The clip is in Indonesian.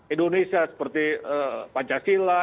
indonesia seperti pancasila